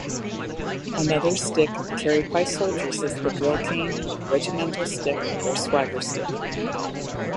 Another stick carried by soldiers is the drill cane, regimental stick or swagger stick.